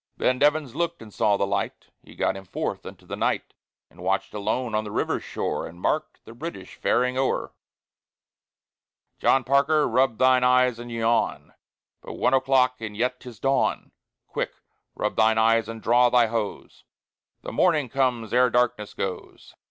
Then Devens looked and saw the light: He got him forth into the night, And watched alone on the river shore, And marked the British ferrying o'er. John Parker! rub thine eyes and yawn, But one o'clock and yet 'tis Dawn! Quick, rub thine eyes and draw thy hose: The Morning comes ere darkness goes.